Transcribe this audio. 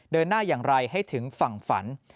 เดินหน้าอย่างไรให้ถึงฝั่งฝัน